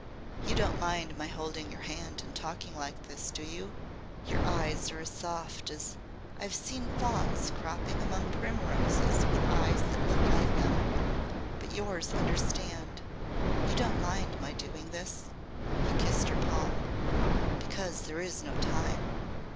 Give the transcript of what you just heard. "You don't mind my holding your hand and talking like this, do you? Your eyes are as soft as I've seen fawns cropping among the primroses with eyes that looked like them. But yours understand. You don't mind my doing this?" he kissed her palm. "Because there is no time."